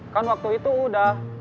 kan waktu itu udah